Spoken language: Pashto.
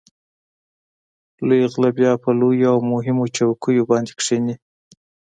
لوی غله بیا په لویو او مهمو چوکیو باندې کېني.